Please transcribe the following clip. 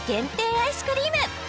アイスクリーム